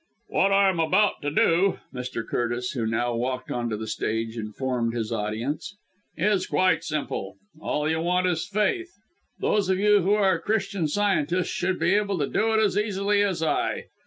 "What I am about to do," Mr. Curtis who now walked on to the stage informed his audience, "is quite simple. All you want is faith. Those of you who are Christian Scientists should be able to do it as easily as I.